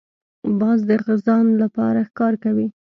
باز د ځان لپاره ښکار کوي